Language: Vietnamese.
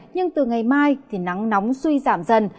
nhưng từ ngày mai thì nắng nóng suy giảm dần